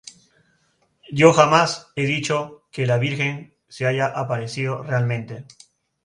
Yo jamás he dicho que la Virgen se haya aparecido realmente.